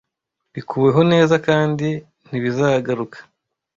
bikuweho neza kandi ntibizagaruka